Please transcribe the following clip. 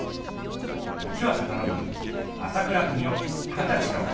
時はさかのぼり朝倉文夫はたちの春でした。